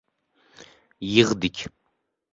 yig‘dik.